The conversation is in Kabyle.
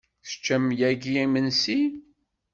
Teččam yagi imensi?